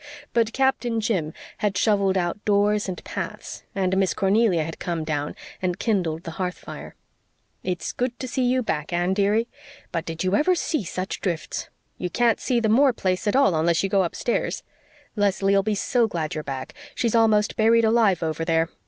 But Captain Jim had shovelled out doors and paths, and Miss Cornelia had come down and kindled the hearth fire. "It's good to see you back, Anne, dearie! But did you ever see such drifts? You can't see the Moore place at all unless you go upstairs. Leslie'll be so glad you're back. She's almost buried alive over there.